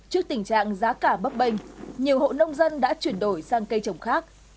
trước tình trạng giá cả bấp bênh nhiều hộ nông dân đã chuyển đổi sang cây trồng khác